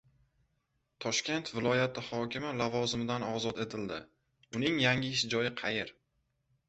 Toshkent viloyati hokimi lavozimidan ozod etildi. Uning yangi ish joyi qayer?